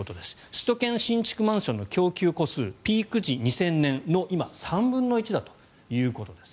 首都圏新築マンションの供給戸数ピーク時、２０００年の今、３分の１だということです。